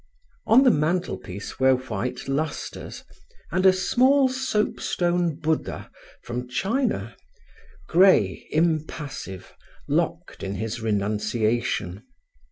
On the mantlepiece were white lustres, and a small soapstone Buddha from China, grey, impassive, locked in his renunciation.